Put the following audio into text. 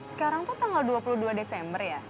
sekarang tuh tanggal dua puluh dua desember ya